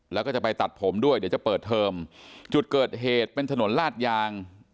แล้วก็จะไปตัดผมด้วยเดี๋ยวจะเปิดเทอมจุดเกิดเหตุเป็นถนนลาดยาง